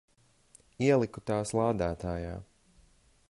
Ieliku tās lādētājā.